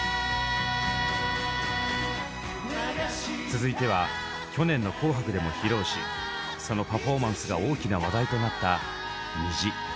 続いては去年の「紅白」でも披露しそのパフォーマンスが大きな話題となった「虹」。